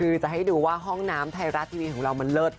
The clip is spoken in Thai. คือจะให้ดูว่าห้องน้ำไทยรัฐทีวีของเรามันเลิศ